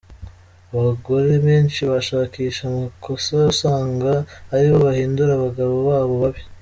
Abagore benshi bashakisha amakosa usanga ari bo bahindura abagabo babo babi.